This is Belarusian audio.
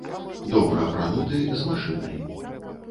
Добра апрануты, з машынай.